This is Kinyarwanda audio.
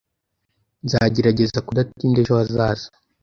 Nzagerageza kudatinda ejo hazaza.